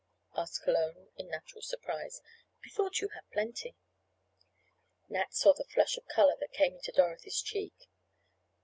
asked Cologne in natural surprise. "I thought you had plenty." Nat saw the flush of color that came into Dorothy's cheeks.